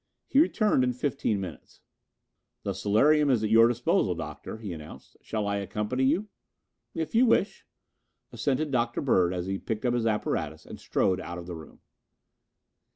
He returned in fifteen minutes. "The solarium is at your disposal, Doctor," he announced. "Shall I accompany you?" "If you wish," assented Dr. Bird as he picked up his apparatus and strode out of the room.